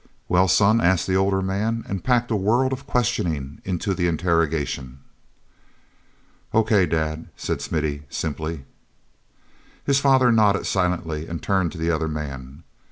"Well, son?" asked the older man, and packed a world of questioning into the interrogation. "O. K., Dad," said Smithy simply. His father nodded silently and turned to the other man.